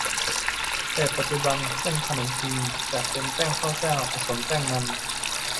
แต่ปัจจุบัน เส้นขนมจีนจะเป็นแป้งข้าวเจ้า ผสมแป้งมัน